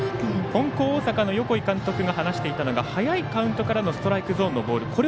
金光大阪の横井監督が話していたのが早いカウントからのストライクゾーンからのボール。